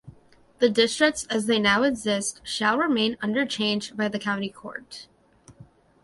The districts as they now exist shall remain until changed by the county court.